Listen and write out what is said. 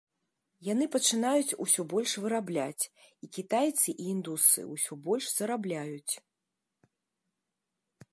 Яны пачынаюць усё больш вырабляць, і кітайцы і індусы ўсё больш зарабляюць.